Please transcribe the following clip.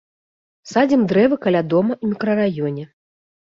Садзім дрэвы каля дома ў мікрараёне.